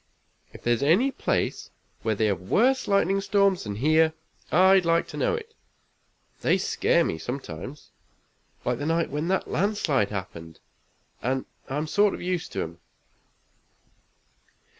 If there's any place where they have worse lightning storms than here, I'd like to know it. They scare me, sometimes, like the night when that landslide happened, and I'm sort of used to 'em.